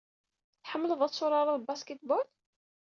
Tḥemmleḍ ad turareḍ basketball?